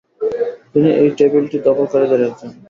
তিনি এই টেবিলটি দখলকারীদের একজন।